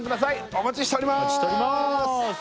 お待ちしております